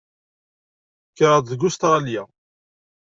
Kkreɣ-d deg Ustṛalya.